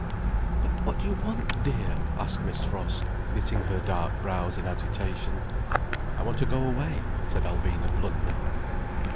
"But what do you want, dear?" asked Miss Frost, knitting her dark brows in agitation. "I want to go away," said Alvina bluntly.